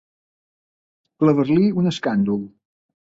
Clavar-li un escàndol.